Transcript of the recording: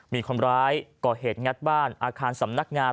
มีคนร้ายก่อเหตุงัดบ้านอาคารสำนักงาน